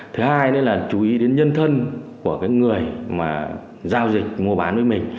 thứ hai nữa là chú ý đến nhân thân của cái người mà giao dịch mua bán với mình